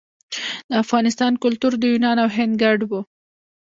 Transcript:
د افغانستان کلتور د یونان او هند ګډ و